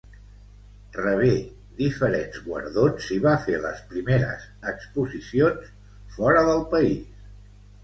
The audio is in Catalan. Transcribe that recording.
Rebé diferents guardons i va fer les primeres exposicions fora del país.